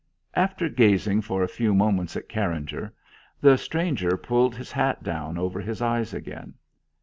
After gazing for a few moments at Carringer, the stranger pulled his hat down over his eyes again.